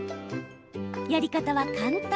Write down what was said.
やり方は簡単。